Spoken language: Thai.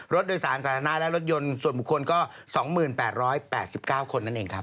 รถโดยสารสาธารณะและรถยนต์ส่วนบุคคลก็๒๘๘๙คนนั่นเองครับ